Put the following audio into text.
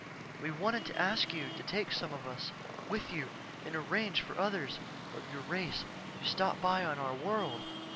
We wanted to ask you to take some of us with you and arrange for others of your race to stop by on our world.